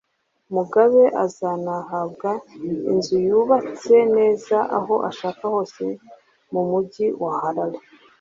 Mugabe azanahabwa inzu yubatse neza aho ashaka hose mu mujyi wa Harare